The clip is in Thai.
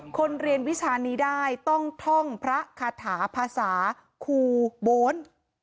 คนเรียนวิชานี้ได้ต้องท่องพระคาถาภาษาครูโบน